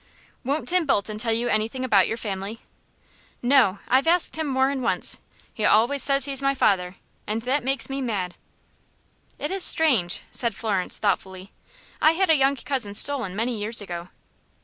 "Won't Tim Bolton tell you anything about your family?" "No; I've asked him more'n once. He always says he's my father, and that makes me mad." "It is strange," said Florence, thoughtfully. "I had a young cousin stolen many years ago."